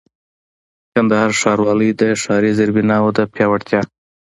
کندهار ښاروالۍ د ښاري زېربناوو د پياوړتيا